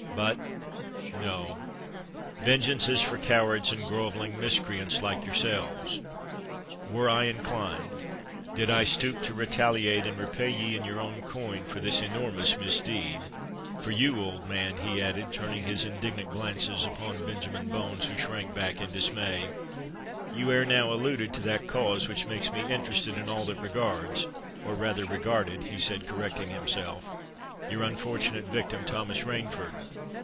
But, no—vengeance is for cowards and grovelling miscreants like yourselves! Were I inclined—did I stoop to retaliate and repay ye in your own coin for this enormous misdeed—for you, old man," he added, turning his indignant glances upon Benjamin Bones, who shrank back in dismay,—"you ere now alluded to that cause which makes me interested in all that regards—or rather regarded," he said, correcting himself, "your unfortunate victim Thomas Rainford!